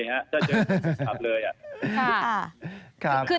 จะเจอคนที่ขับเลยอ่ะ